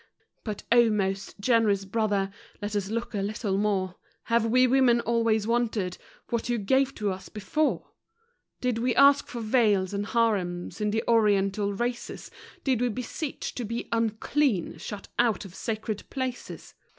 But, oh, most generous brother! Let us look a little more Have we women always wanted what you gave to us before? Did we ask for veils and harems in the Oriental races? Did we beseech to be "unclean," shut out of sacred places?